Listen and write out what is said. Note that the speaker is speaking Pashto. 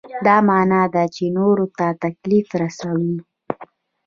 دا معنا ده چې نورو ته تکلیف رسوئ.